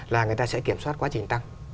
là người ta sẽ kiểm soát quá trình tăng